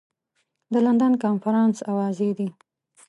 د لندن کنفرانس اوازې دي.